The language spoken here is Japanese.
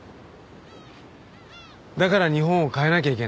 だから日本を変えなきゃいけない。